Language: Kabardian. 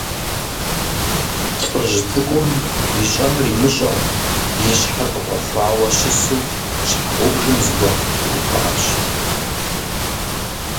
ЛӀыжь цӀыкӀум, ищӀэнур имыщӀэу, и щхьэр къыфӀэхуауэ щысу, щхьэгъубжэм зыгуэр къытеуӀуащ.